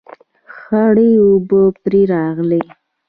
خړې اوبه پرې راغلې